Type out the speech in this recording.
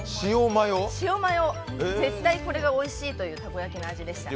絶対これがおいしいというたこ焼きの味でした。